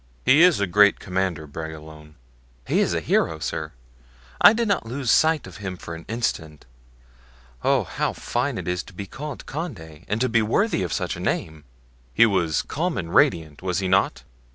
"He is a great commander, Bragelonne." "He is a hero, sir. I did not lose sight of him for an instant. Oh! how fine it is to be called Condé and to be so worthy of such a name!" "He was calm and radiant, was he not?"